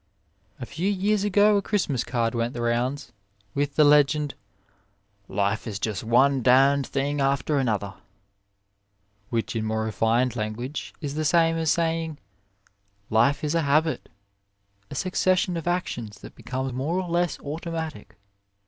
A WAY I A few years ago a Xmas card went the rounds, with the legend " Life is just one denied thing after another," which, in more refined language, is the same as saying "Life is a habit," a succession of actions that become more or less auto matic.